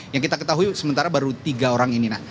yang kita ketahui sementara baru tiga orang ini